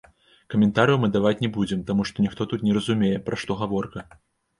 Каментарыяў мы даваць не будзем, таму што ніхто тут не разумее, пра што гаворка.